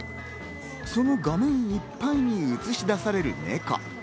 その画面いっぱいに映し出されるネコ。